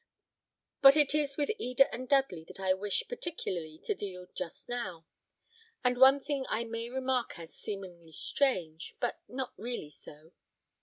But it is with Eda and Dudley that I wish particularly to deal just now; and one thing I may remark as seemingly strange, but not really so.